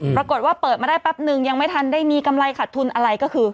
ปรากฏว่าเปิดมาได้แป๊บนึงยังไม่ทันได้มีกำไรขัดทุนอะไรก็คือ